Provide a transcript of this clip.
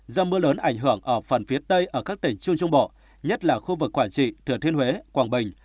do mưa lớn ảnh hưởng ở phần phía tây ở các tỉnh trung trung bộ nhất là khu vực quảng trị thừa thiên huế quảng bình